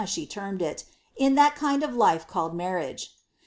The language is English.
(ns thf termed it) in thrtt kind of life called mnrriaE!?"